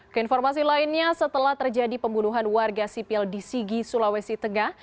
keinformasi lainnya setelah terjadi pembunuhan warga sipil di sigi sulawesi tengah